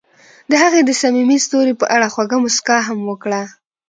هغې د صمیمي ستوري په اړه خوږه موسکا هم وکړه.